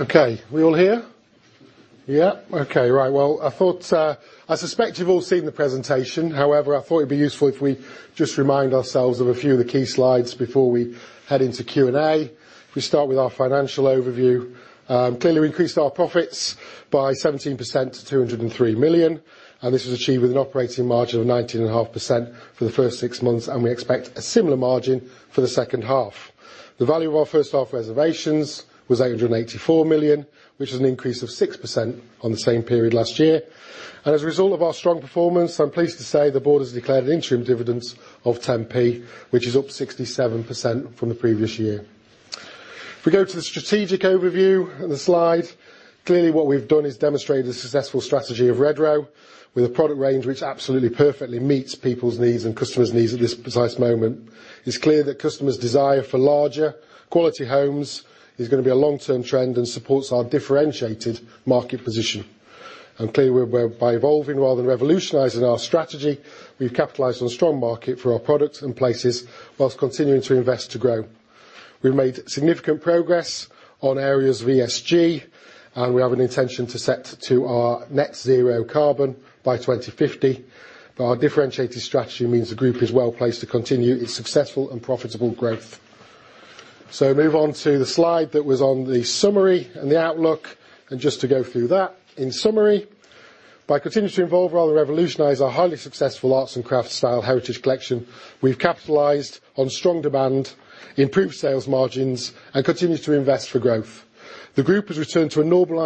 Okay, we all here? Yeah. Okay. Right. Well, I thought, I suspect you've all seen the presentation. However, I thought it'd be useful if we just remind ourselves of a few of the key slides before we head into Q&A. If we start with our financial overview, clearly, we increased our profits by 17% to 203 million, and this was achieved with an operating margin of 19.5% for the first six months, and we expect a similar margin for the second half. The value of our first half reservations was 884 million, which is an increase of 6% on the same period last year. As a result of our strong performance, I'm pleased to say the board has declared an interim dividend of 10p, which is up 67% from the previous year. If we go to the strategic overview and the slide, clearly what we've done is demonstrated a successful strategy of Redrow with a product range which absolutely perfectly meets people's needs and customers' needs at this precise moment. It's clear that customers' desire for larger quality homes is gonna be a long-term trend and supports our differentiated market position. Clearly, by evolving rather than revolutionizing our strategy, we've capitalized on a strong market for our products and places whilst continuing to invest to grow. We've made significant progress on areas of ESG, and we have an intention to set out our net zero carbon by 2050. Our differentiated strategy means the group is well placed to continue its successful and profitable growth. Move on to the slide that was on the summary and the outlook, and just to go through that. In summary, by continuing to evolve rather than revolutionize our highly successful Arts and Crafts-style Heritage Collection. We've capitalized on strong demand, improved sales margins, and continued to invest for growth. The group has returned to a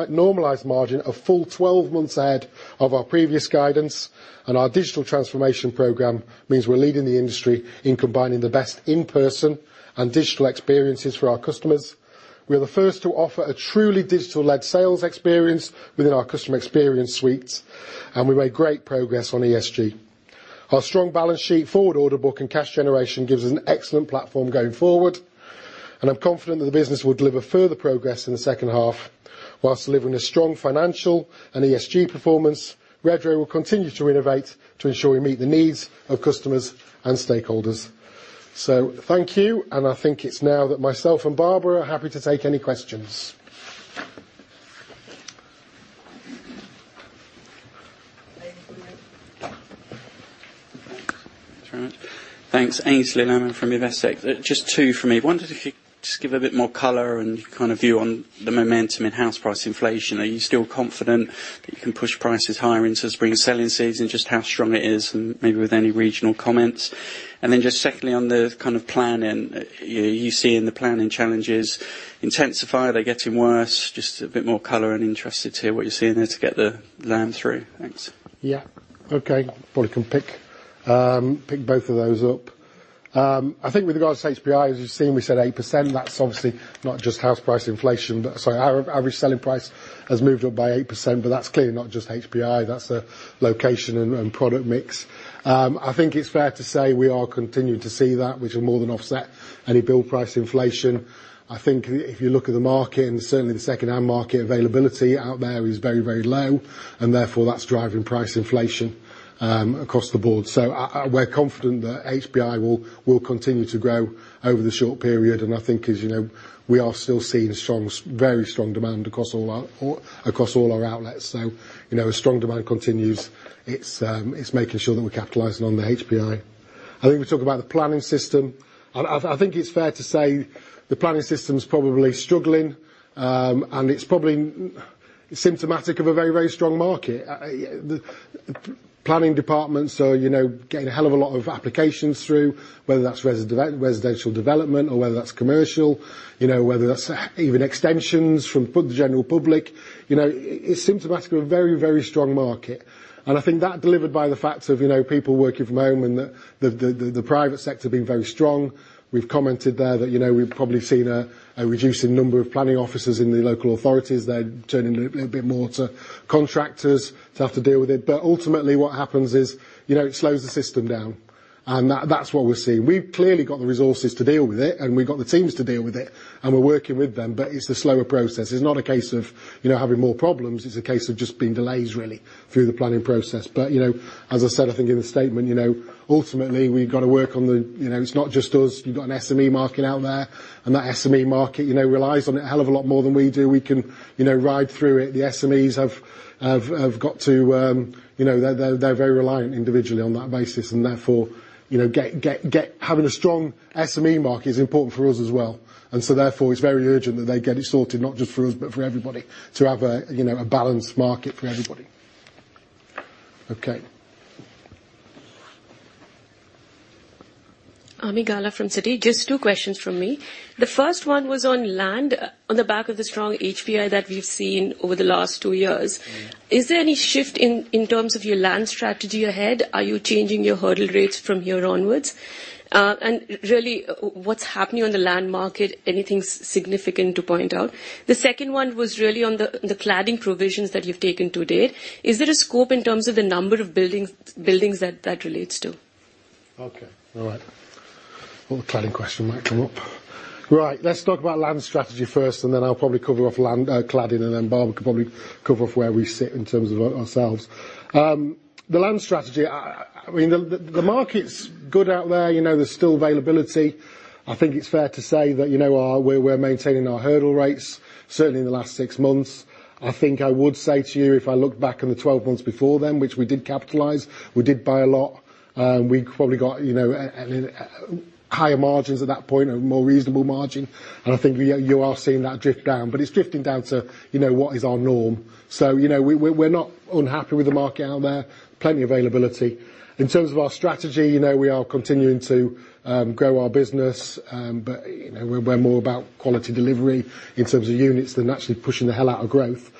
normalized margin, a full 12 months ahead of our previous guidance, and our digital transformation program means we're leading the industry in combining the best in-person and digital experiences for our customers. We are the first to offer a truly digital-led sales experience within our Customer Experience Suites, and we made great progress on ESG. Our strong balance sheet, forward order book, and cash generation gives us an excellent platform going forward, and I'm confident that the business will deliver further progress in the second half while delivering a strong financial and ESG performance. Redrow will continue to innovate to ensure we meet the needs of customers and stakeholders. Thank you, and I think it's now that myself and Barbara are happy to take any questions. Thanks very much. Thanks. Aynsley Lammin from Investec. Just two from me. I wondered if you could just give a bit more color and kind of view on the momentum in house price inflation. Are you still confident that you can push prices higher into spring selling season? Just how strong it is and maybe with any regional comments. Just secondly, on the kind of planning, you seeing the planning challenges intensify, they're getting worse? Just a bit more color and interested to hear what you're seeing there to get the land through. Thanks. Probably can pick both of those up. I think with regards to HPI, as you've seen, we said 8%. That's obviously not just house price inflation. Sorry. Our average selling price has moved up by 8%, but that's clearly not just HPI. That's a location and product mix. I think it's fair to say we are continuing to see that, which will more than offset any build price inflation. I think if you look at the market and certainly the second-hand market availability out there is very low, and therefore that's driving price inflation across the board. We're confident that HPI will continue to grow over the short period. I think as you know, we are still seeing very strong demand across all our outlets. You know, as strong demand continues, it's making sure that we're capitalizing on the HPI. I think we talked about the planning system. I think it's fair to say the planning system's probably struggling, and it's probably symptomatic of a very, very strong market. Yeah, the planning departments are, you know, getting a hell of a lot of applications through, whether that's residential development or whether that's commercial. You know, whether that's even extensions from the general public. You know, it's symptomatic of a very, very strong market. I think that delivered by the fact of, you know, people working from home and the private sector being very strong. We've commented there that, you know, we've probably seen a reducing number of planning officers in the local authorities. They're turning a little bit more to contractors to have to deal with it. Ultimately, what happens is, you know, it slows the system down and that's what we're seeing. We've clearly got the resources to deal with it, and we've got the teams to deal with it, and we're working with them, but it's a slower process. It's not a case of, you know, having more problems. It's a case of just being delays, really, through the planning process. You know, as I said, I think in the statement, you know, ultimately, we've gotta work on the. You know, it's not just us. You've got an SME market out there, and that SME market, you know, relies on it a hell of a lot more than we do. We can, you know, ride through it. The SMEs have got to. You know, they're very reliant individually on that basis, and therefore, you know, having a strong SME market is important for us as well. Therefore, it's very urgent that they get it sorted, not just for us, but for everybody to have a, you know, a balanced market for everybody. Okay. Ami Galla from Citi. Just two questions from me. The first one was on land. On the back of the strong HPI that we've seen over the last two years, is there any shift in terms of your land strategy ahead? Are you changing your hurdle rates from here onwards? And really, what's happening on the land market? Anything significant to point out? The second one was really on the cladding provisions that you've taken to date. Is there a scope in terms of the number of buildings that relates to? Okay. All right. Thought the cladding question might come up. Right. Let's talk about land strategy first, and then I'll probably cover off land, cladding, and then Barbara can probably cover off where we sit in terms of ourselves. The land strategy, I mean, the market's good out there. You know, there's still availability. I think it's fair to say that, you know, we're maintaining our hurdle rates, certainly in the last six months. I think I would say to you, if I look back on the 12 months before then, which we did capitalize, we did buy a lot, we probably got, you know, higher margins at that point or more reasonable margin. I think we are seeing that drift down, but it's drifting down to, you know, what is our norm. You know, we're not unhappy with the market out there. Plenty availability. In terms of our strategy, you know, we are continuing to grow our business. You know, we're more about quality delivery in terms of units than actually pushing the hell out of growth.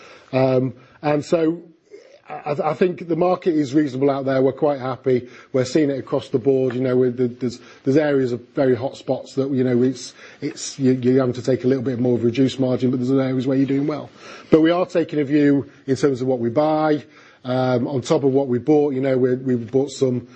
I think the market is reasonable out there. We're quite happy. We're seeing it across the board. You know, where there's areas of very hot spots that, you know, it's you're having to take a little bit more of a reduced margin, but there's areas where you're doing well. We are taking a view in terms of what we buy. On top of what we bought, you know, we bought some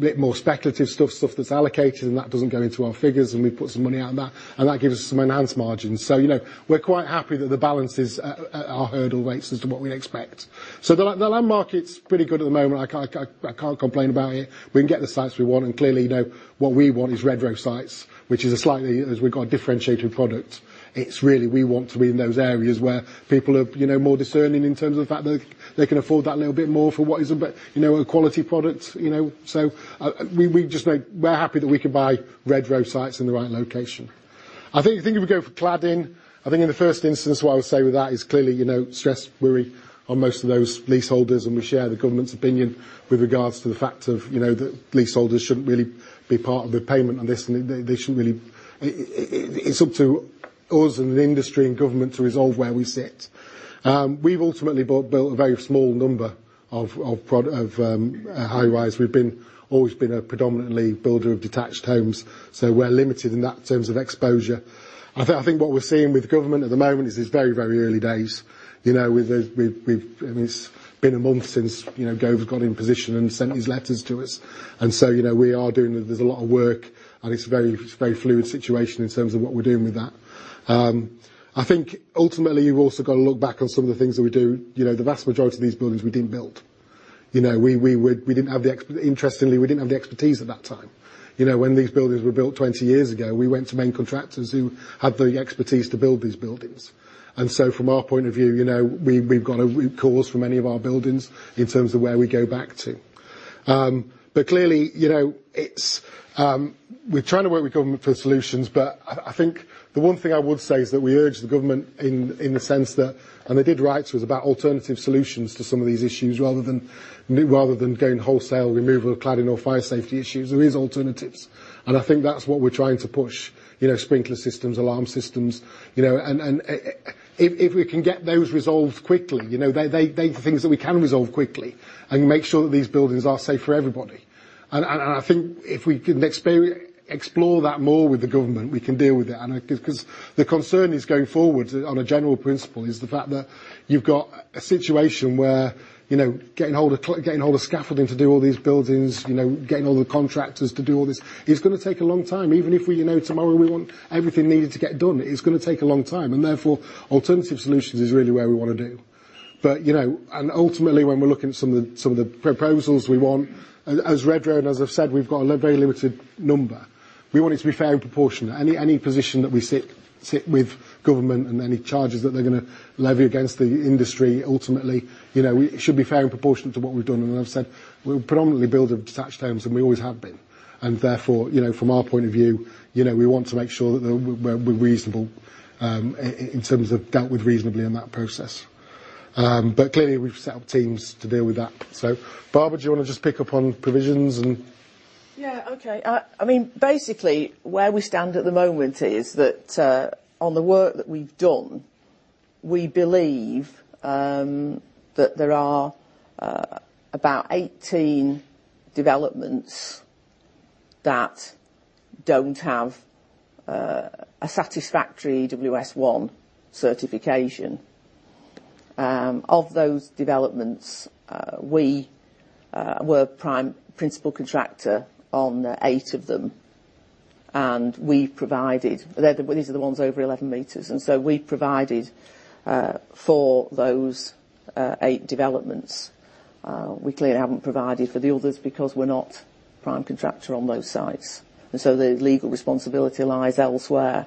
bit more speculative stuff. Stuff that's allocated, and that doesn't go into our figures, and we put some money out in that, and that gives us some enhanced margins. You know, we're quite happy that the balance is at our hurdle rates as to what we expect. The land market's pretty good at the moment. I can't complain about it. We can get the sites we want, and clearly, you know, what we want is Redrow sites, which is a slightly, as we've got a differentiated product. It's really we want to be in those areas where people are, you know, more discerning in terms of the fact that they can afford that little bit more for what is a bit, you know, a quality product, you know. We just know we're happy that we can buy Redrow sites in the right location. I think if we go for cladding, I think in the first instance, what I would say with that is clearly, you know, stress worry on most of those leaseholders, and we share the government's opinion with regards to the fact of, you know, that leaseholders shouldn't really be part of the payment on this, and they should really. It's up to us and the industry and government to resolve where we sit. We've ultimately built a very small number of high-rise. We've always been a predominantly builder of detached homes, so we're limited in that in terms of exposure. I think what we're seeing with government at the moment is it's very, very early days. You know, it's been a month since, you know, Gove got in position and sent his letters to us. You know, we are doing a lot of work, and it's a very, very fluid situation in terms of what we're doing with that. I think ultimately, you've also got to look back on some of the things that we do. You know, the vast majority of these buildings we didn't build. You know, interestingly, we didn't have the expertise at that time. You know, when these buildings were built 20 years ago, we went to main contractors who had the expertise to build these buildings. From our point of view, you know, we've got recourse for many of our buildings in terms of where we go back to. Clearly, you know, it's. We're trying to work with government for solutions, but I think the one thing I would say is that we urge the government in the sense that, and they did write to us about alternative solutions to some of these issues rather than going wholesale removal of cladding or fire safety issues. There is alternatives, and I think that's what we're trying to push. You know, sprinkler systems, alarm systems, you know. If we can get those resolved quickly, you know, they're the things that we can resolve quickly and make sure that these buildings are safe for everybody. I think if we can explore that more with the government, we can deal with it and I. 'Cause the concern is going forward on a general principle is the fact that you've got a situation where, you know, getting hold of scaffolding to do all these buildings, you know, getting all the contractors to do all this, it's gonna take a long time. Even if we, you know, tomorrow we want everything needed to get done, it's gonna take a long time, and therefore, alternative solutions is really where we wanna do. You know, and ultimately, when we're looking at some of the proposals we want, as Redrow and as I've said, we've got a very limited number. We want it to be fair and proportionate. Any position that we sit with government and any charges that they're gonna levy against the industry, ultimately, you know, it should be fair and proportionate to what we've done. As I've said, we predominantly build detached homes, and we always have been. Therefore, you know, from our point of view, you know, we want to make sure that we're reasonable in terms of dealt with reasonably in that process. Clearly, we've set up teams to deal with that. Barbara, do you wanna just pick up on provisions and- Yeah, okay. I mean, basically where we stand at the moment is that, on the work that we've done, we believe that there are about 18 developments that don't have a satisfactory EWS1 certification. Of those developments, we were principal contractor on eight of them. These are the ones over 11 meters, and so we provided for those eight developments. We clearly haven't provided for the others because we're not principal contractor on those sites, and so the legal responsibility lies elsewhere.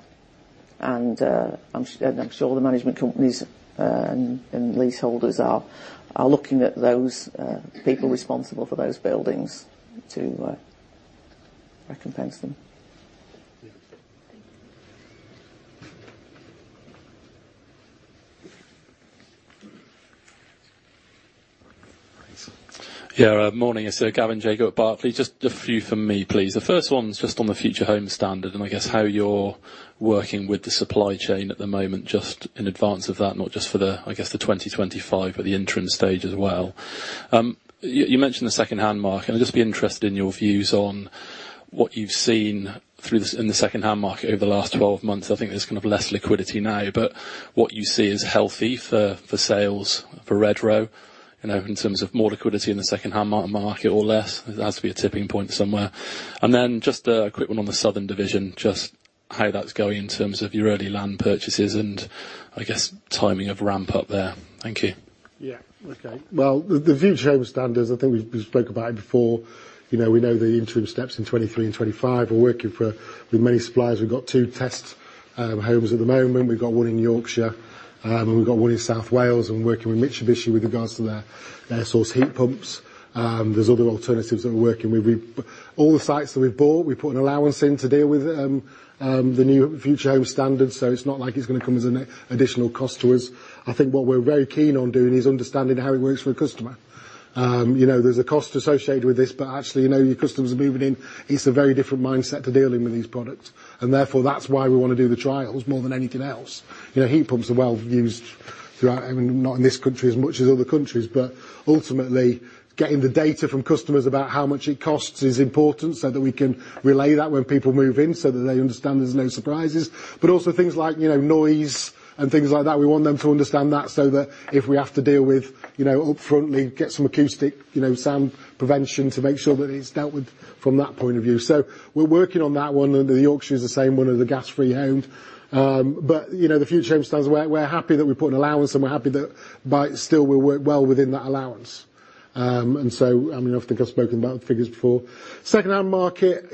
I'm sure the management companies and leaseholders are looking at those people responsible for those buildings to recompense them. Yeah. Thank you. Thanks. Yeah. Morning. It's Gavin Jago at Barclays. Just a few from me, please. The first one's just on the Future Homes Standard and I guess how you're working with the supply chain at the moment, just in advance of that, not just for the, I guess, the 2025, but the interim stage as well. You mentioned the second-hand market. I'd just be interested in your views on what you've seen through this in the second-hand market over the last 12 months. I think there's kind of less liquidity now, but what you see is healthy for sales for Redrow, you know, in terms of more liquidity in the second-hand market or less. There has to be a tipping point somewhere. Just a quick one on the Southern division. Just how that's going in terms of your early land purchases and, I guess, timing of ramp up there? Thank you. Yeah. Okay. Well, the Future Homes Standard, I think we've spoke about it before. You know, we know the interim steps in 2023 and 2025. We're working with many suppliers. We've got two test homes at the moment. We've got one in Yorkshire and we've got one in South Wales and working with Mitsubishi with regards to their air source heat pumps. There's other alternatives that we're working with. All the sites that we've bought, we put an allowance in to deal with the Future Homes Standard, so it's not like it's gonna come as an additional cost to us. I think what we're very keen on doing is understanding how it works for a customer. You know, there's a cost associated with this, but actually, you know, your customers are moving in, it's a very different mindset to dealing with these products, and therefore that's why we wanna do the trials more than anything else. You know, heat pumps are well used throughout, I mean, not in this country as much as other countries, but ultimately getting the data from customers about how much it costs is important so that we can relay that when people move in so that they understand there's no surprises. Also things like, you know, noise and things like that. We want them to understand that so that if we have to deal with, you know, upfrontly get some acoustic, you know, sound prevention to make sure that it's dealt with from that point of view. We're working on that one, and the Yorkshire is the same one as the gas-free home. You know, the Future Homes Standard, we're happy that we put an allowance and we're happy that but still we work well within that allowance. I mean, I think I've spoken about the figures before. Secondhand market,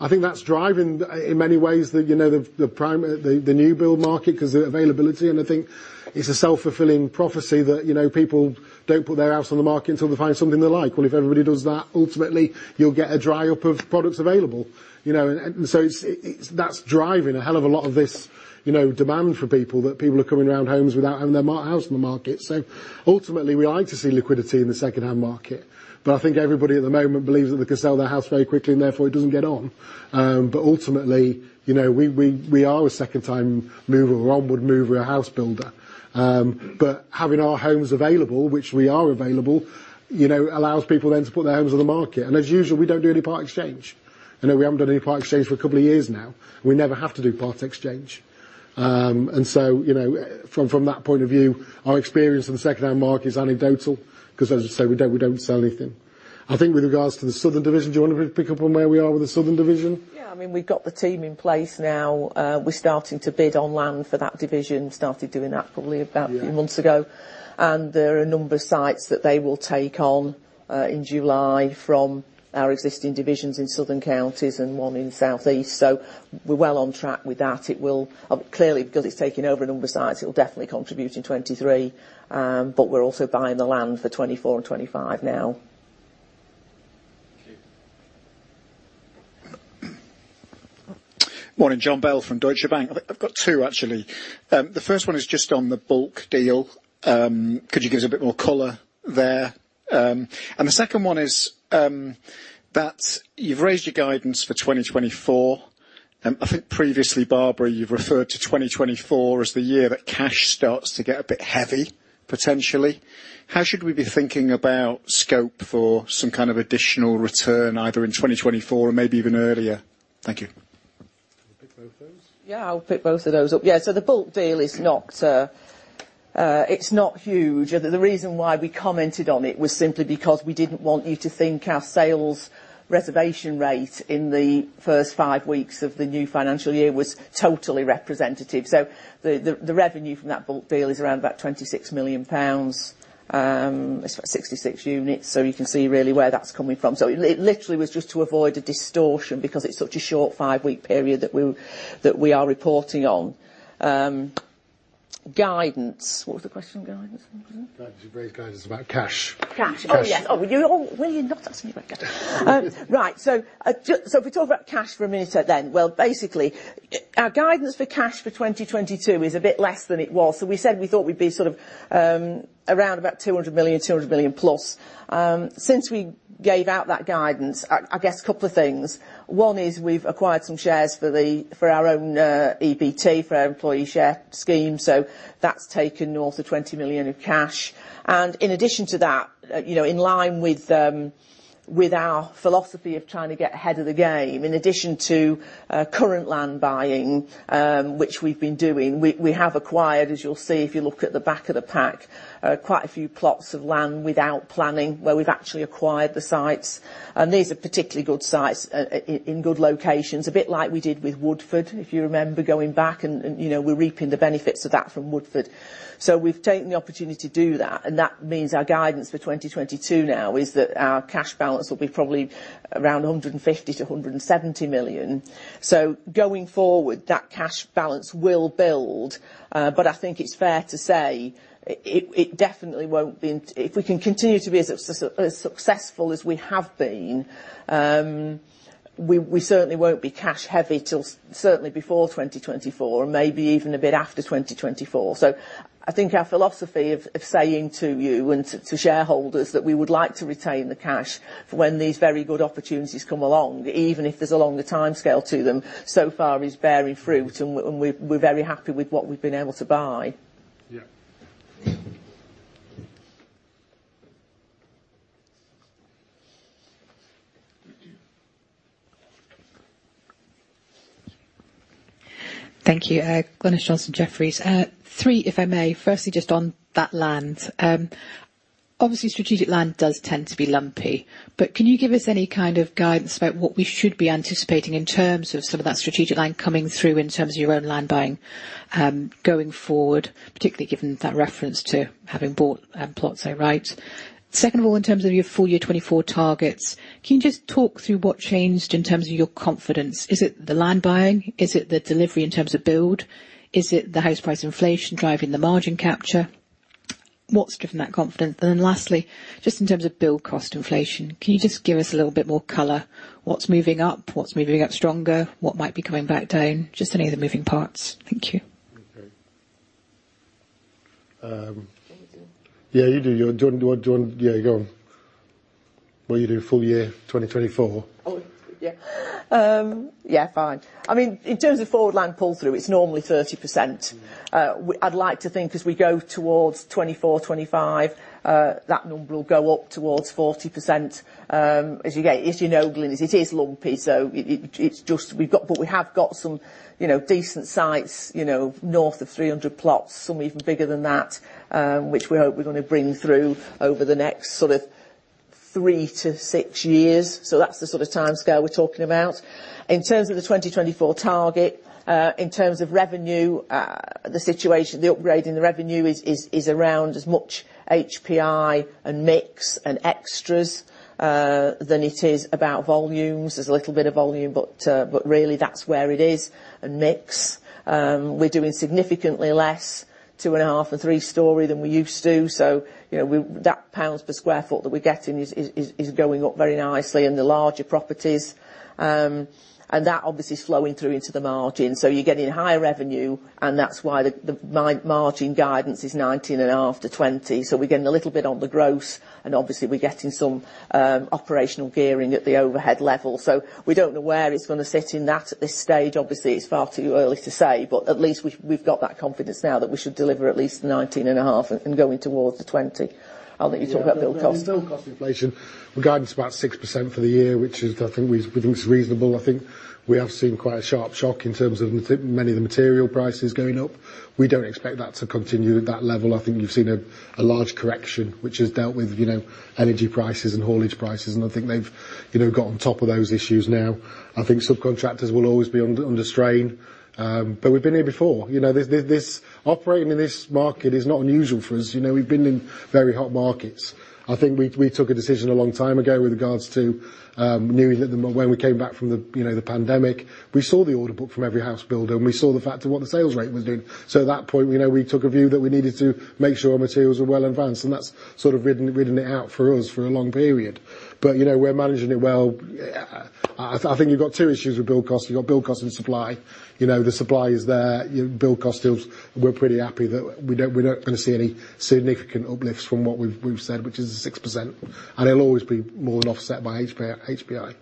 I think that's driving in many ways the, you know, the new build market 'cause of availability, and I think it's a self-fulfilling prophecy that, you know, people don't put their house on the market until they find something they like. Well, if everybody does that, ultimately you'll get a dry up of products available. That's driving a hell of a lot of this, you know, demand for people that people are coming around homes without having their house on the market. Ultimately, we like to see liquidity in the secondhand market, but I think everybody at the moment believes that they can sell their house very quickly, and therefore it doesn't get on. Ultimately, you know, we are a second time mover, onward mover, a house builder. Having our homes available, which we are available, you know, allows people then to put their homes on the market. As usual, we don't do any part exchange. I know we haven't done any part exchange for a couple of years now. We never have to do part exchange. You know, from that point of view, our experience in the secondhand market is anecdotal, 'cause as I say, we don't sell anything. I think with regards to the Southern Division, do you wanna pick up on where we are with the Southern Division? Yeah. I mean, we've got the team in place now. We're starting to bid on land for that division. We started doing that probably about a few months ago. Yeah. There are a number of sites that they will take on in July from our existing divisions in Southern Counties and one in Southeast. We're well on track with that. Clearly because it's taking over a number of sites, it will definitely contribute in 2023. We're also buying the land for 2024 and 2025 now. Thank you. Morning, Jon Bell from Deutsche Bank. I've got two actually. The first one is just on the bulk deal. The second one is that you've raised your guidance for 2024, and I think previously, Barbara, you've referred to 2024 as the year that cash starts to get a bit heavy potentially. How should we be thinking about scope for some kind of additional return, either in 2024 or maybe even earlier? Thank you. Do you wanna pick both those? Yeah, I'll pick both of those up. Yeah. The bulk deal is not huge. The reason why we commented on it was simply because we didn't want you to think our sales reservation rate in the first five weeks of the new financial year was totally representative. The revenue from that bulk deal is around about 26 million pounds. It's about 66 units, so you can see really where that's coming from. It literally was just to avoid a distortion because it's such a short five-week period that we're reporting on. Guidance. What was the question on guidance? Guidance. You've raised guidance about cash. Cash. Cash. Yes, well, you're not asking about cash. Right. If we talk about cash for a minute then. Well, basically our guidance for cash for 2022 is a bit less than it was. We said we thought we'd be sort of around about 200 million plus. Since we gave out that guidance, I guess a couple of things. One is we've acquired some shares for our own EBT, for our employee share scheme, so that's taken north of 20 million of cash. In addition to that, you know, in line with our philosophy of trying to get ahead of the game, in addition to current land buying, which we've been doing, we have acquired, as you'll see if you look at the back of the pack, quite a few plots of land without planning, where we've actually acquired the sites. These are particularly good sites in good locations, a bit like we did with Woodford, if you remember going back and you know, we're reaping the benefits of that from Woodford. We've taken the opportunity to do that, and that means our guidance for 2022 now is that our cash balance will be probably around 150 million-170 million. Going forward, that cash balance will build. I think it's fair to say it definitely won't be. If we can continue to be as successful as we have been, we certainly won't be cash heavy till certainly before 2024 and maybe even a bit after 2024. Our philosophy of saying to you and to shareholders that we would like to retain the cash for when these very good opportunities come along, even if there's a longer timescale to them, so far is bearing fruit and we're very happy with what we've been able to buy. Yeah. Thank you. Glynis Johnson, Jefferies. Three, if I may. Firstly, just on that land. Obviously strategic land does tend to be lumpy, but can you give us any kind of guidance about what we should be anticipating in terms of some of that strategic land coming through in terms of your own land buying, going forward, particularly given that reference to having bought, plots, so right. Second of all, in terms of your full year 2024 targets, can you just talk through what changed in terms of your confidence? Is it the land buying? Is it the delivery in terms of build? Is it the house price inflation driving the margin capture? What's driven that confidence? Lastly, just in terms of build cost inflation, can you just give us a little bit more color? What's moving up? What's moving up stronger? What might be coming back down? Just any of the moving parts. Thank you. Okay. Do you want me to do them? Yeah, you do. Do you want? Yeah, go on. What do you do full year 2024. Yeah, fine. I mean, in terms of forward land pull through, it's normally 30%. We'd like to think as we go towards 2024, 2025, that number will go up towards 40%. As you know, Glynis, it is lumpy, so it's just. But we have got some, you know, decent sites, you know, north of 300 plots, some even bigger than that, which we hope we're gonna bring through over the next sort of three to six years. So that's the sort of timescale we're talking about. In terms of the 2024 target, in terms of revenue, the upgrade in the revenue is around as much HPI and mix and extras than it is about volumes. There's a little bit of volume, but really that's where it is. Mix. We're doing significantly less two and a half-and three-story than we used to. You know, that pounds per square foot that we're getting is going up very nicely in the larger properties. That obviously is flowing through into the margin. You're getting higher revenue, and that's why the margin guidance is 19.5%-20%. We're getting a little bit on the gross, and obviously we're getting some operational gearing at the overhead level. We don't know where it's gonna sit in that at this stage. It's far too early to say, but at least we've got that confidence now that we should deliver at least 19.5% and going towards the 20%. I'll let you talk about build cost. Yeah. Build cost inflation, we're guiding to about 6% for the year, which I think is reasonable. I think we have seen quite a sharp shock in terms of many of the material prices going up. We don't expect that to continue at that level. I think you've seen a large correction which has dealt with, you know, energy prices and haulage prices, and I think they've, you know, got on top of those issues now. I think subcontractors will always be under strain. We've been here before. You know, operating in this market is not unusual for us. You know, we've been in very hot markets. I think we took a decision a long time ago with regards to when we came back from the you know the pandemic we saw the order book from every house builder and we saw the fact of what the sales rate was doing. At that point you know we took a view that we needed to make sure our materials were well advanced and that's sort of ridden it out for us for a long period. You know we're managing it well. I think you've got two issues with build cost. You've got build cost and supply. You know the supply is there. Your build cost is... We're pretty happy that we're not gonna see any significant uplifts from what we've said, which is the 6%, and it'll always be more than offset by HPI.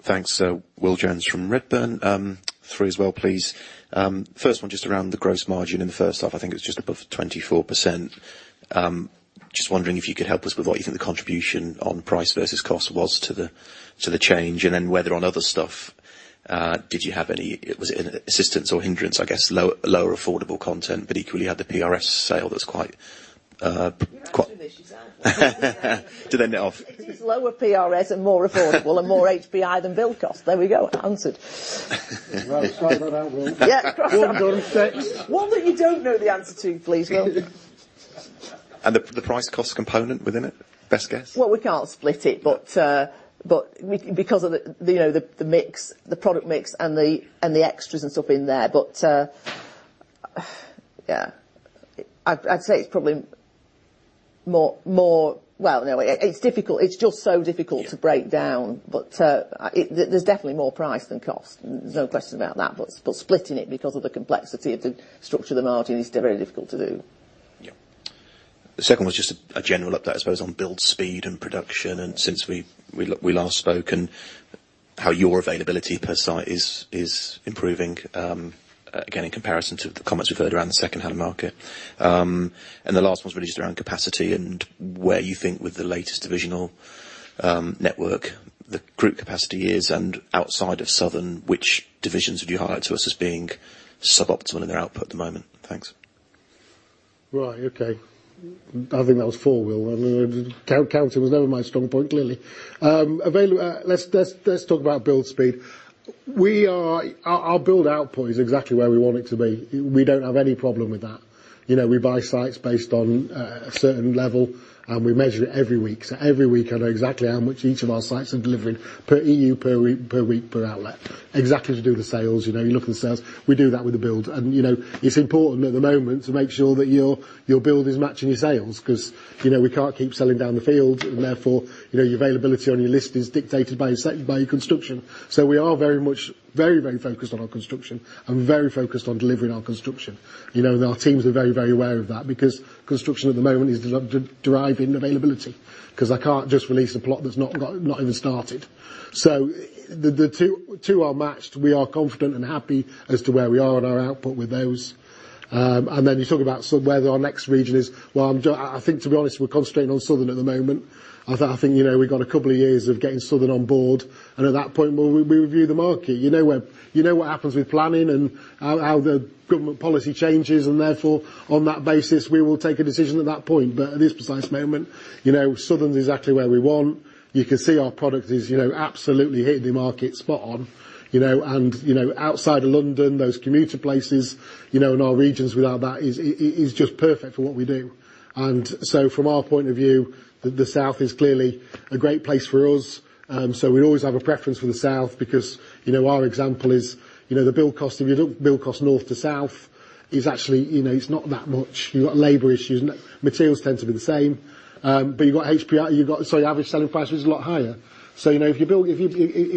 Thanks. Will Jones from Redburn. three as well, please. First one just around the gross margin in the first half. I think it's just above 24%. Just wondering if you could help us with what you think the contribution on price versus cost was to the change, and then whether on other stuff, was it an assistance or hindrance, I guess, lower affordable content, but equally you had the PRS sale that was quite, qui- You're asking the issues, aren't you? To then end off. It is lower PRS and more affordable and more HPI than build cost. There we go. Answered. Well, start that out, Will. Yeah. One done, six. One that you don't know the answer to, please, Will. The price cost component within it? Best guess. Well, we can't split it, but we can because of the you know the mix, the product mix and the extras and stuff in there. Yeah, I'd say it's probably more. Well, no, it's difficult. It's just so difficult. Yeah. to break down. There's definitely more price than cost. No question about that. Splitting it because of the complexity of the structure of the margin is still very difficult to do. Yeah. The second was just a general update, I suppose, on build speed and production, and since we last spoke and how your availability per site is improving, again, in comparison to the comments we've heard around the second half of the market. The last one's really just around capacity and where you think with the latest divisional network the group capacity is, and outside of Southern, which divisions would you highlight to us as being suboptimal in their output at the moment? Thanks. Right. Okay. I think that was four, Will. I mean, counting was never my strong point, clearly. Let's talk about build speed. Our build output is exactly where we want it to be. We don't have any problem with that. You know, we buy sites based on a certain level, and we measure it every week. So every week, I know exactly how much each of our sites are delivering per EU per week per outlet. Exactly to do the sales, you know, you look at the sales, we do that with the build. You know, it's important at the moment to make sure that your build is matching your sales, 'cause, you know, we can't keep selling down the field, and therefore, you know, your availability on your list is dictated by, certainly by your construction. We are very focused on our construction and very focused on delivering our construction. You know, our teams are very aware of that because construction at the moment is driving availability. 'Cause I can't just release a plot that's not got not even started. The two are matched. We are confident and happy as to where we are in our output with those. Then you talk about sort of where our next region is. Well, I think to be honest, we're concentrating on Southern at the moment. I think, you know, we've got a couple of years of getting Southern on board, and at that point we'll review the market. You know what happens with planning and how the government policy changes and therefore on that basis we will take a decision at that point. At this precise moment, you know, southern is exactly where we want. You can see our product is, you know, absolutely hitting the market spot on. You know, and you know, outside of London, those commuter places, you know, in our regions with all that is just perfect for what we do. From our point of view, the south is clearly a great place for us. We always have a preference for the south because, you know, our example is, you know, the build cost, if you look at build cost north to south, is actually, you know, it's not that much. You've got labor issues. Materials tend to be the same. You've got HPI, you've got, sorry, average selling price is a lot higher. You know, if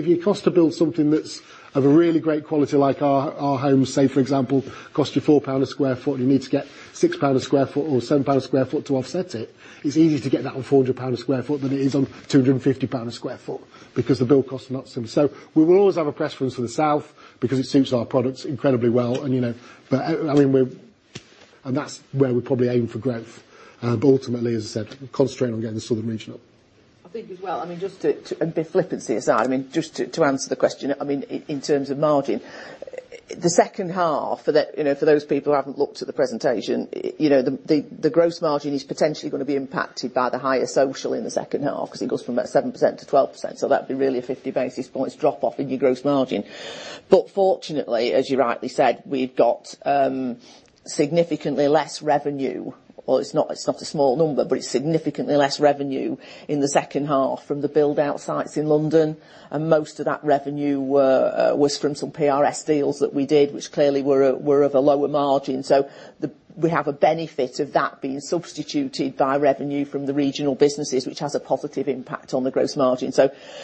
your cost to build something that's of a really great quality like our homes, say for example, costs you 4 pound/sq ft, and you need to get 6 pound/sq ft or 7 pound/sq ft to offset it's easier to get that on 400 pound/sq ft than it is on 250 pound/sq ft because the build costs are not the same. We will always have a preference for the south because it suits our products incredibly well, you know. I mean, that's where we probably aim for growth. Ultimately, as I said, we're concentrating on getting the southern region up. I think as well, I mean, just to and be flippant CSI, I mean, just to answer the question, I mean, in terms of margin, the second half for the. You know, for those people who haven't looked at the presentation, you know, the gross margin is potentially gonna be impacted by the higher social in the second half 'cause it goes from about 7%-2%. So that'd be really a 50 basis points drop-off in your gross margin. But fortunately, as you rightly said, we've got significantly less revenue. Well, it's not a small number, but it's significantly less revenue in the second half from the build-out sites in London, and most of that revenue was from some PRS deals that we did, which clearly were of a lower margin. We have a benefit of that being substituted by revenue from the regional businesses, which has a positive impact on the gross margin.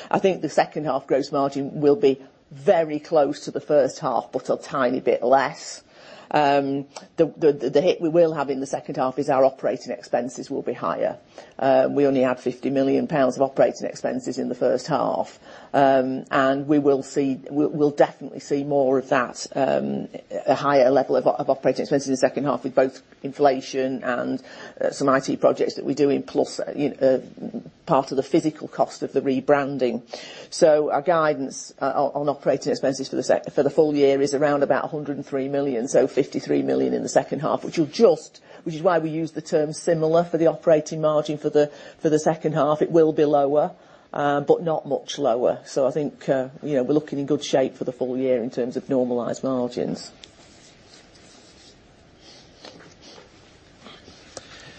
I think the second half gross margin will be very close to the first half, but a tiny bit less. The hit we will have in the second half is our operating expenses will be higher. We only had 50 million pounds of operating expenses in the first half. We will see, we'll definitely see more of that, a higher level of operating expenses in the second half with both inflation and some IT projects that we're doing, plus part of the physical cost of the rebranding. Our guidance on operating expenses for the full year is around about 103 million, 53 million in the second half, which is why we use the term similar for the operating margin for the second half. It will be lower, but not much lower. I think, you know, we're looking in good shape for the full year in terms of normalized margins.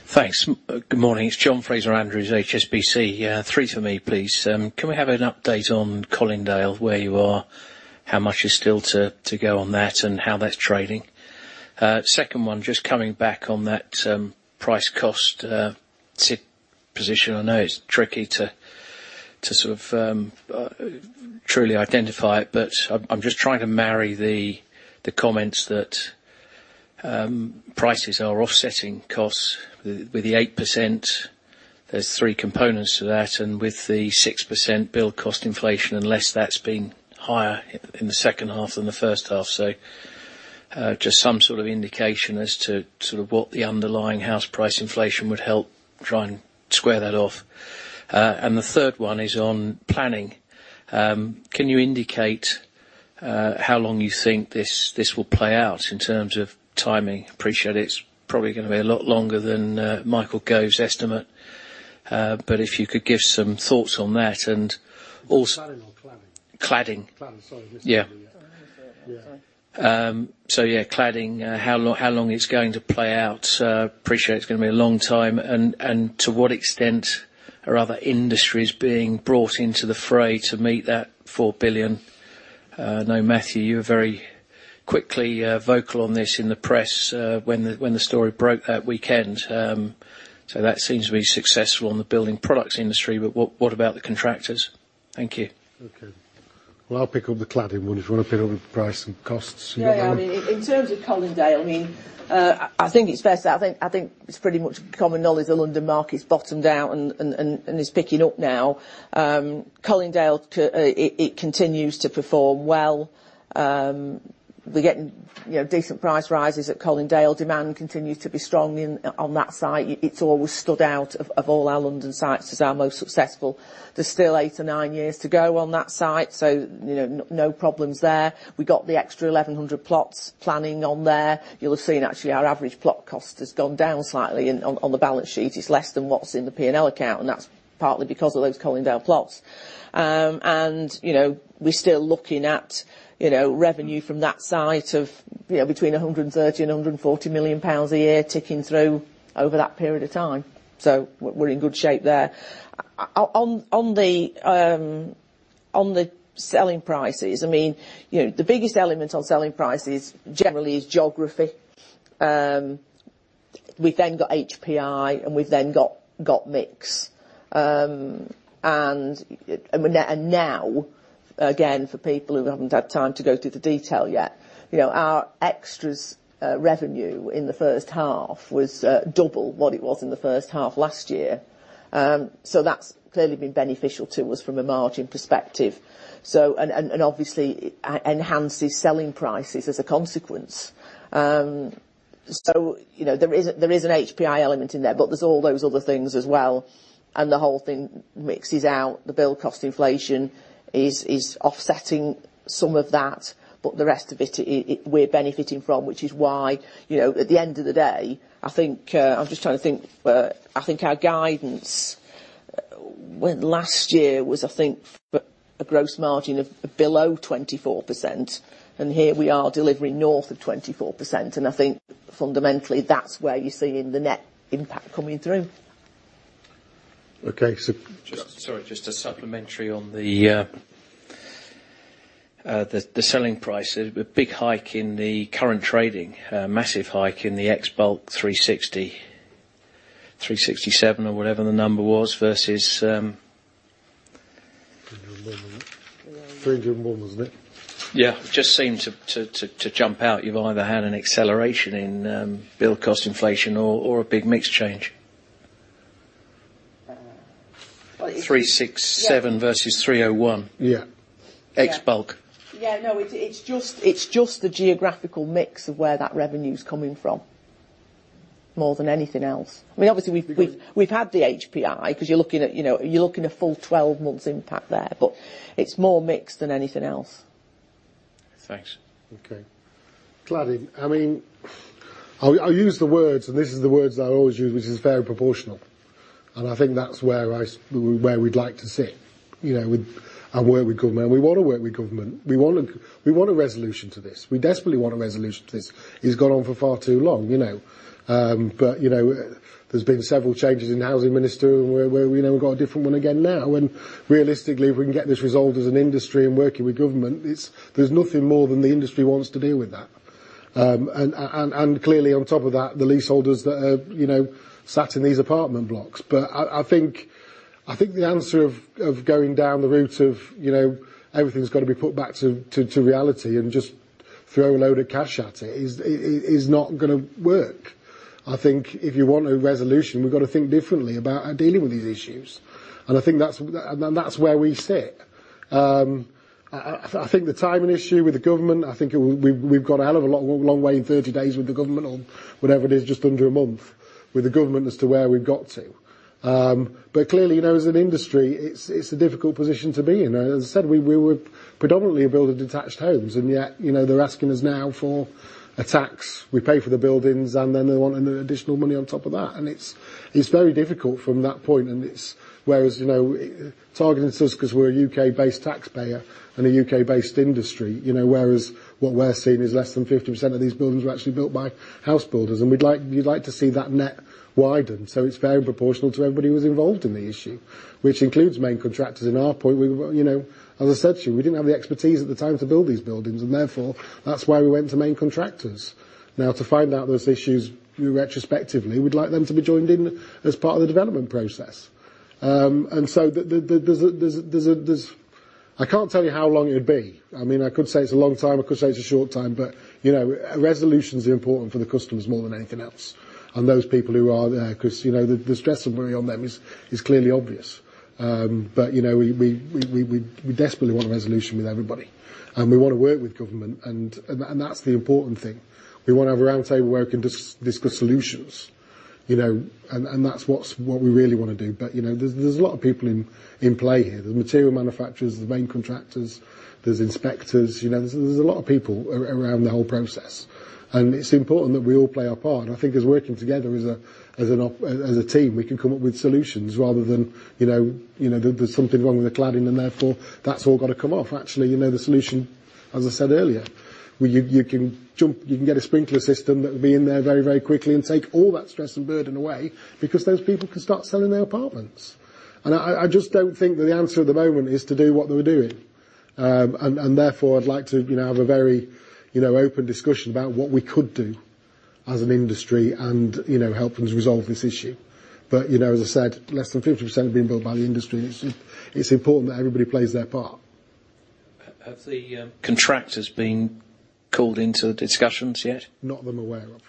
Thanks. Good morning. It's John Fraser-Andrews, HSBC. Yeah, three for me, please. Can we have an update on Colindale, where you are, how much is still to go on that, and how that's trading? Second one, just coming back on that, price-cost situation. I know it's tricky to sort of truly identify it, but I'm just trying to marry the comments that prices are offsetting costs with the 8%. There's three components to that, and with the 6% build cost inflation, unless that's been higher in the second half than the first half. Just some sort of indication as to sort of what the underlying house price inflation would help try and square that off. The third one is on planning. Can you indicate how long you think this will play out in terms of timing? I appreciate it's probably gonna be a lot longer than Michael Gove's estimate, but if you could give some thoughts on that and als- Cladding or planning? Cladding. Cladding. Sorry. Yeah. Sorry. Yeah. Yeah, cladding, how long it's going to play out. Appreciate it's gonna be a long time. To what extent are other industries being brought into the fray to meet that 4 billion? I know, Matthew, you were very quickly vocal on this in the press, when the story broke that weekend. That seems to be successful in the building products industry, but what about the contractors? Thank you. Okay. Well, I'll pick up the cladding one, if you wanna pick up price and costs. I mean, in terms of Colindale, I mean, I think it's fair to say, I think it's pretty much common knowledge the London market's bottomed out and is picking up now. Colindale continues to perform well. We're getting, you know, decent price rises at Colindale. Demand continue to be strong in on that site. It's always stood out of all our London sites as our most successful. There's still eight to nine years to go on that site, so, you know, no problems there. We got the extra 1,100 plots planning on there. You'll have seen actually our average plot cost has gone down slightly on the balance sheet. It's less than what's in the P&L account, and that's partly because of those Colindale plots. you know, we're still looking at, you know, revenue from that site of, you know, between 130 million and 140 million pounds a year ticking through over that period of time. We're in good shape there. On the selling prices, I mean, you know, the biggest element on selling prices generally is geography. We've then got HPI, and we've then got mix. Now, again, for people who haven't had time to go through the detail yet, you know, our extras revenue in the first half was double what it was in the first half last year. That's clearly been beneficial to us from a margin perspective. Obviously it enhances selling prices as a consequence. You know, there is an HPI element in there, but there's all those other things as well, and the whole thing mixes out. The build cost inflation is offsetting some of that, but the rest of it, we're benefiting from, which is why, you know, at the end of the day, I think I'm just trying to think. I think our guidance when last year was, I think, for a gross margin of below 24%, and here we are delivering north of 24%, and I think fundamentally, that's where you're seeing the net impact coming through. Okay. Sorry, just a supplementary on the selling price. A big hike in the current trading, massive hike in the ex bulk 360, 367 or whatever the number was versus 301, wasn't it? 301. Yeah. Just seemed to jump out. You've either had an acceleration in build cost inflation or a big mix change. Uh, it's- 367- Yeah versus 301. Yeah. Yeah. Ex bulk. Yeah, no, it's just the geographical mix of where that revenue's coming from more than anything else. I mean, obviously we've had the HPI 'cause you know, you're looking at full 12 months impact there, but it's more mix than anything else. Thanks. Okay. Cladding. I mean, I'll use the words, and these are the words that I always use which is fair and proportional, and I think that's where we'd like to sit, you know, with our work with government. We wanna work with government. We want a resolution to this. We desperately want a resolution to this. It's gone on for far too long, you know? There's been several changes in the housing minister where we've now got a different one again now, and realistically, if we can get this resolved as an industry and working with government, there's nothing more than the industry wants to deal with that. Clearly on top of that, the leaseholders that are, you know, sat in these apartment blocks. I think the answer of going down the route of you know everything's gotta be put back to reality and just throw a load of cash at it is not gonna work. I think if you want a resolution, we've gotta think differently about our dealing with these issues, and I think that's and that's where we sit. I think the timing issue with the government. We've got a hell of a long way in 30 days with the government or whatever it is, just under a month, with the government as to where we've got to. Clearly, you know, as an industry, it's a difficult position to be in. As I said, we were predominantly a builder of detached homes, and yet, you know, they're asking us now for a tax. We pay for the buildings, and then they want an additional money on top of that, and it's very difficult from that point, whereas, you know, targeting us 'cause we're a U.K.-based taxpayer and a U.K.-based industry, you know, whereas what we're seeing is less than 50% of these buildings were actually built by house builders, and we'd like to see that net widened, so it's fair and proportional to everybody who's involved in the issue, which includes main contractors. Our point, you know, as I said to you, we didn't have the expertise at the time to build these buildings, and therefore, that's why we went to main contractors. Now to find out there's issues retrospectively, we'd like them to be joined in as part of the development process. I can't tell you how long it would be. I mean, I could say it's a long time, I could say it's a short time, but, you know, a resolution is important for the customers more than anything else, and those people who are there 'cause, you know, the stress and worry on them is clearly obvious. But, you know, we desperately want a resolution with everybody, and we wanna work with government, and that's the important thing. We wanna have a roundtable where we can discuss solutions, you know, and that's what we really wanna do. You know, there's a lot of people in play here. There's material manufacturers, there's main contractors, there's inspectors, you know. There's a lot of people around the whole process, and it's important that we all play our part, and I think us working together as a team, we can come up with solutions rather than you know there's something wrong with the cladding and therefore that's all gotta come off. Actually, you know, the solution, as I said earlier, where you can get a sprinkler system that would be in there very quickly and take all that stress and burden away because those people can start selling their apartments. I just don't think that the answer at the moment is to do what they were doing. Therefore, I'd like to, you know, have a very, you know, open discussion about what we could do as an industry and, you know, help them to resolve this issue. You know, as I said, less than 50% have been built by the industry, and it's important that everybody plays their part. Have the contractors been called into the discussions yet? Not that I'm aware of.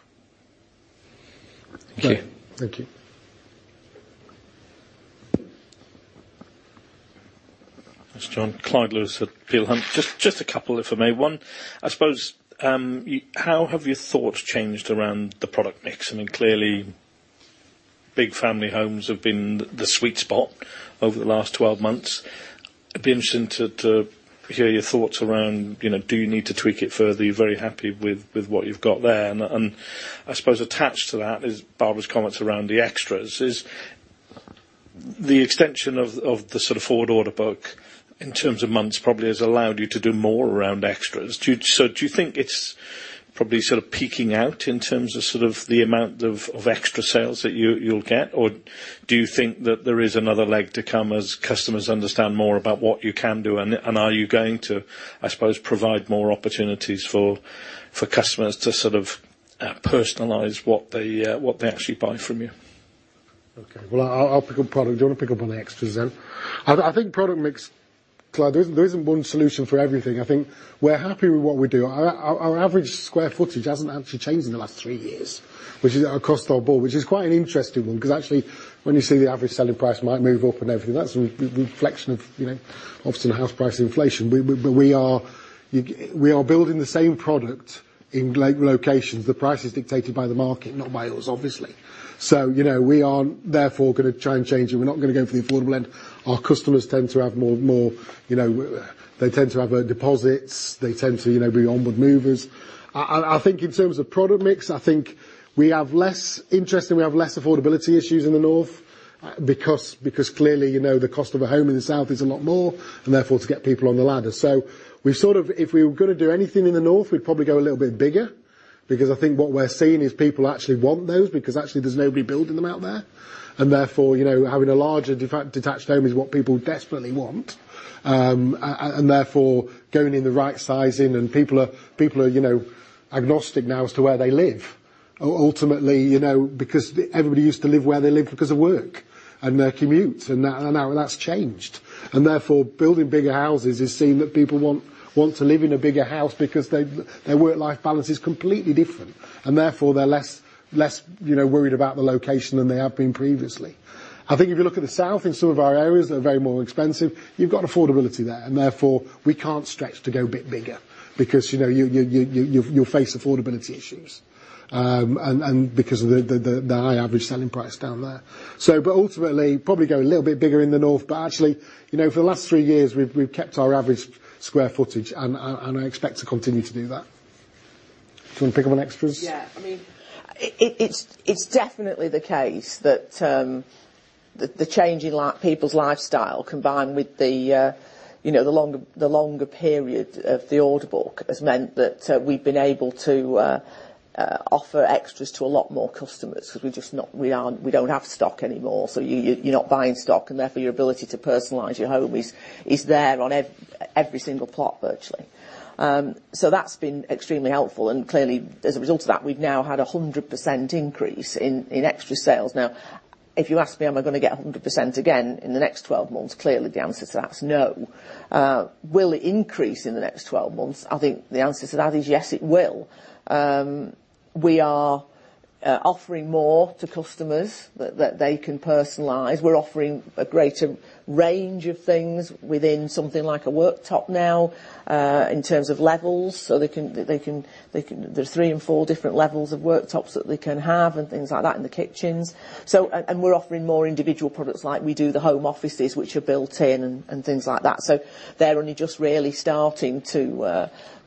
Thank you. Thank you. It's John. Clyde Lewis at Peel Hunt. Just a couple if I may. One, I suppose, how have your thoughts changed around the product mix? I mean, clearly big family homes have been the sweet spot over the last 12 months. It'd be interesting to hear your thoughts around, you know, do you need to tweak it further? Are you very happy with what you've got there? And I suppose attached to that is Barbara's comments around the extras. Is The extension of the sort of forward order book in terms of months probably has allowed you to do more around extras. Do you think it's probably sort of peaking out in terms of sort of the amount of extra sales that you'll get? Or do you think that there is another leg to come as customers understand more about what you can do, and are you going to, I suppose, provide more opportunities for customers to sort of personalize what they what they actually buy from you? Okay. Well I'll pick up product. Do you wanna pick up on the extras then? I think product mix, Clyde, there isn't one solution for everything. I think we're happy with what we do. Our average square footage hasn't actually changed in the last three years, which is across our board, which is quite an interesting one, 'cause actually when you see the average selling price might move up and everything, that's a reflection of, you know, obviously the house price inflation. But we are building the same product in locations. The price is dictated by the market, not by us obviously. So, you know, we aren't therefore gonna try and change it. We're not gonna go for the affordable end. Our customers tend to have more, you know. They tend to have deposits. They tend to, you know, be onward movers. I think in terms of product mix, I think we have less interest and we have less affordability issues in the north because clearly, you know, the cost of a home in the south is a lot more, and therefore to get people on the ladder. We've sort of, if we were gonna do anything in the north, we'd probably go a little bit bigger because I think what we're seeing is people actually want those because actually there's nobody building them out there. Therefore, you know, having a larger detached home is what people desperately want. Therefore going in the right sizing and people are, you know, agnostic now as to where they live. Ultimately, you know, because everybody used to live where they live because of work and their commutes and that, and now that's changed. Therefore, building bigger houses is seeing that people want to live in a bigger house because their work-life balance is completely different, and therefore they're less, you know, worried about the location than they have been previously. I think if you look at the south in some of our areas that are very more expensive, you've got affordability there, and therefore we can't stretch to go a bit bigger because, you know, you'll face affordability issues. And because of the higher average selling price down there. Ultimately probably go a little bit bigger in the north. Actually, you know, for the last three years, we've kept our average square footage and I expect to continue to do that. Do you wanna pick up on extras? Yeah. I mean, it's definitely the case that the change in people's lifestyle combined with you know the longer period of the order book has meant that we've been able to offer extras to a lot more customers 'cause we don't have stock anymore, so you're not buying stock and therefore your ability to personalize your home is there on every single plot virtually. So that's been extremely helpful and clearly as a result of that, we've now had a 100% increase in extra sales. Now, if you ask me, am I gonna get a 100% again in the next 12 months, clearly the answer to that is no. Will it increase in the next 12 months? I think the answer to that is yes, it will. We are offering more to customers that they can personalize. We're offering a greater range of things within something like a worktop now, in terms of levels, so they can. There are three and four different levels of worktops that they can have and things like that in the kitchens. And we're offering more individual products like we do the home offices which are built in and things like that. They're only just really starting to,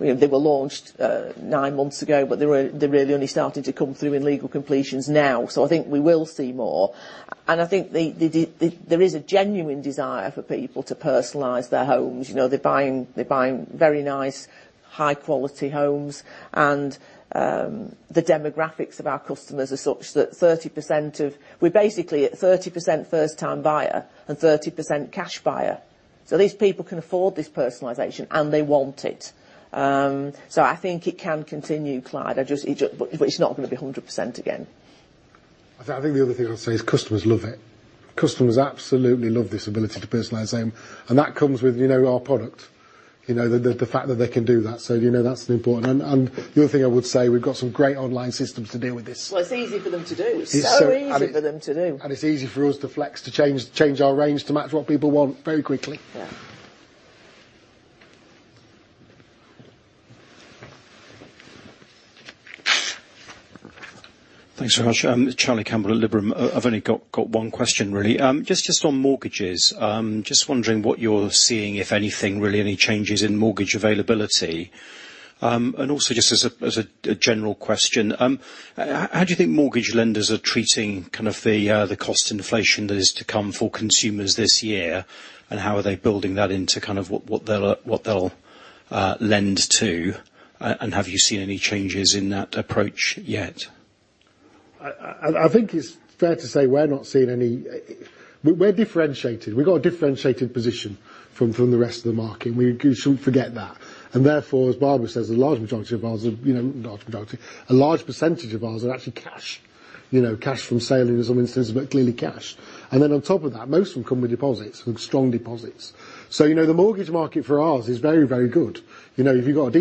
you know, they were launched nine months ago, but they're really only starting to come through in legal completions now. I think we will see more, and I think there is a genuine desire for people to personalize their homes. You know, they're buying very nice high quality homes and the demographics of our customers are such that we're basically at 30% first time buyer and 30% cash buyer. These people can afford this personalization and they want it. I think it can continue, Clyde. I just, it just, but it's not gonna be 100% again. I think the other thing I'd say is customers love it. Customers absolutely love this ability to personalize them, and that comes with, you know, our product. You know, the fact that they can do that, so, you know, that's an important. The other thing I would say, we've got some great online systems to deal with this. Well, it's easy for them to do. It's so- Easy for them to do. It's easy for us to flex, to change our range to match what people want very quickly. Yeah. Thanks very much. Charlie Campbell at Liberum. I've only got one question really. Just on mortgages, wondering what you're seeing, if anything, really any changes in mortgage availability. Also just as a general question, how do you think mortgage lenders are treating kind of the cost inflation that is to come for consumers this year, and how are they building that into kind of what they'll lend to, and have you seen any changes in that approach yet? I think it's fair to say we're not seeing any. We're differentiated. We've got a differentiated position from the rest of the market, and we shouldn't forget that. Therefore, as Barbara says, a large majority of ours are, you know, not majority, a large percentage of ours are actually cash. You know, cash from sale in some instances, but clearly cash. Then on top of that, most of them come with deposits, with strong deposits. You know, the mortgage market for ours is very, very good. You know, if you've got a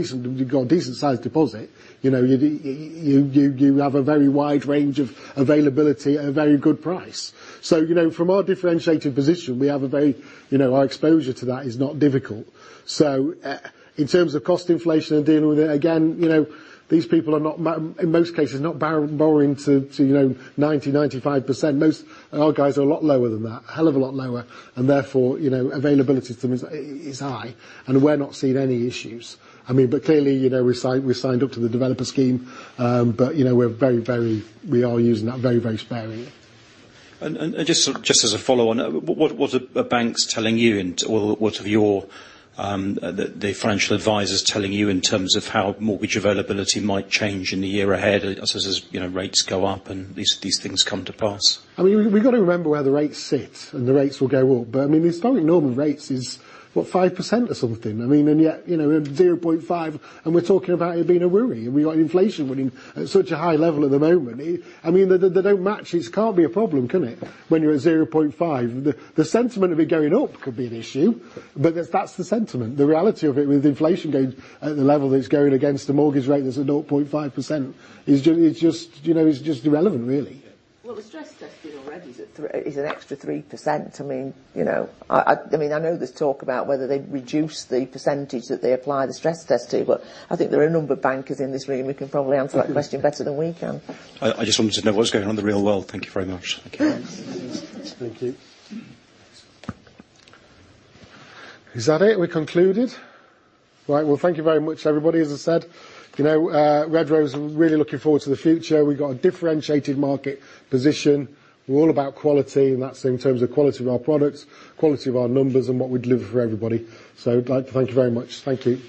decent sized deposit, you know, you have a very wide range of availability at a very good price. You know, from our differentiated position, we have a very, you know, our exposure to that is not difficult. In terms of cost inflation and dealing with it, again, you know, these people are not in most cases, not borrowing to 90%-95%. Most, our guys are a lot lower than that, a hell of a lot lower, and therefore, you know, availability to them is high and we're not seeing any issues. I mean, but clearly, you know, we signed up to the developer scheme. You know, we're very, very, we are using that very, very sparingly. Just as a follow on, what are banks telling you or what are your financial advisors telling you in terms of how mortgage availability might change in the year ahead as you know rates go up and these things come to pass? I mean, we've got to remember where the rates sit and the rates will go up. I mean, it's probably normal rates is, what? 5% or something. I mean, yet, you know, 0.5% and we're talking about it being a worry, and we got inflation running at such a high level at the moment. It, I mean, they don't match. It can't be a problem, can it, when you're at 0.5%? The sentiment of it going up could be an issue, but that's the sentiment. The reality of it with inflation going at the level that it's going against the mortgage rate that's at 0.5% is it's just, you know, it's just irrelevant really. Well, the stress testing already is an extra 3%. I mean, you know, I mean, I know there's talk about whether they reduce the percentage that they apply the stress test to, but I think there are a number of bankers in this room who can probably answer that question better than we can. I just wanted to know what's going on in the real world. Thank you very much. Okay. Thank you. Is that it? We concluded? Right. Well, thank you very much, everybody. As I said, you know, Redrow's really looking forward to the future. We've got a differentiated market position. We're all about quality, and that's in terms of quality of our products, quality of our numbers and what we deliver for everybody. I'd like to thank you very much. Thank you.